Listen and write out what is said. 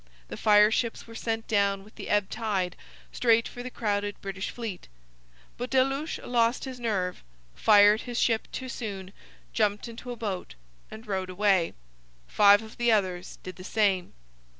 The fireships were sent down with the ebb tide, straight for the crowded British fleet. But Delouche lost his nerve, fired his ship too soon, jumped into a boat and rowed away. Five of the others did the same.